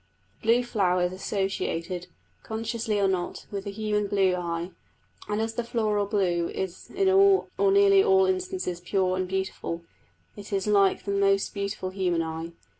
The blue flower is associated, consciously or not, with the human blue eye; and as the floral blue is in all or nearly all instances pure and beautiful, it is like the most beautiful human eye.